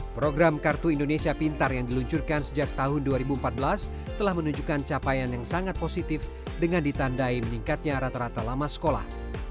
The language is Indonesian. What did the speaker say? program kartu indonesia pintar yang diluncurkan sejak tahun dua ribu empat belas telah menunjukkan capaian yang sangat positif dengan ditandai meningkatnya rata rata lama sekolah